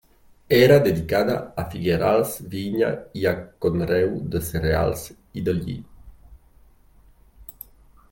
Era dedicada a figuerals, vinya i a conreu de cereals i de lli.